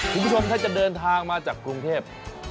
คุณผู้ชมถ้าจะเดินทางมาจากกรุงเทพ